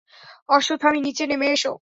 অশ্ব থামিয়ে নিচে নেমে আস।